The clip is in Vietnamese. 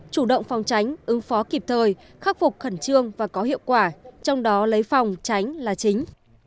chủ động phòng tránh ứng phó kịp thời khắc phục khẩn trương và có hiệu quả trong đó lấy phòng tránh là chính